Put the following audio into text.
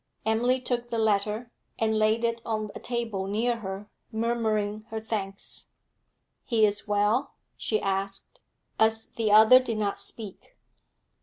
Emily took the letter, and laid it on a table near her, murmuring her thanks. 'He is well?' she asked, as the other did not speak.